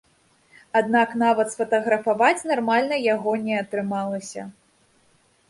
Аднак нават сфатаграфаваць нармальна яго не атрымалася.